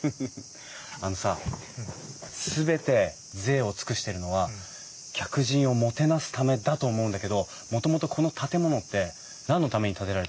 あのさ全てぜいを尽くしてるのは客人をもてなすためだと思うんだけどもともとこの建物って何のために建てられたか知ってる？